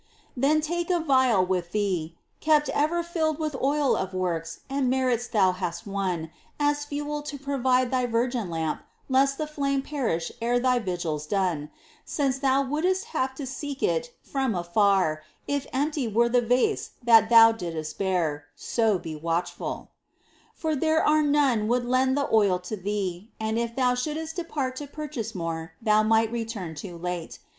Then take a vial with thee : kept ever filled With oil of works, and merits thou hast won, As fuel to provide thy virgin lamp Lest the flame perish ere thy vigil's done, 4 POEMS. 27 Since thou wouldst have to seek it from afar If empty were the vase that thou didst bear — So watchful be ! For there are none would lend the oil to thee, And if thou shouldst depart to purchase more Thou might return too late.